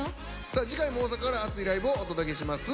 さあ次回も大阪から熱いライブをお届けします。